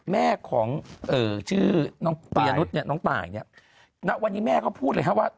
แม่ของชื่อน้องปียางรุจน้องต่ายวันนี้แม่ก็พูดเลยครับว่า